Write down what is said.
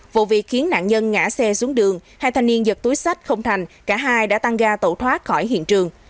vụ việc khiến nạn nhân ngã xe xuống đường hai thanh niên giật túi sách không thành cả hai đã tăng ga tẩu thoát khỏi hiện trường